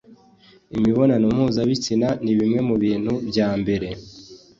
imibonano mpuzabitsina ni bimwe mu bintu bya mbere